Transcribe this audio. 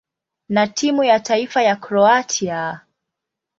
na timu ya taifa ya Kroatia.